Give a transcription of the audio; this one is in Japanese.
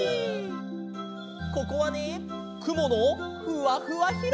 ここはねくものふわふわひろば。